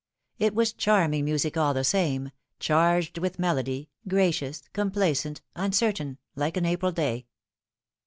It was charming music all the same charged with melody, gracious, complacent, uncertain, like an April day.